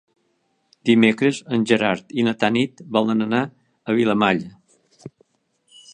Dimecres en Gerard i na Tanit volen anar a Vilamalla.